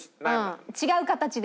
違う形で。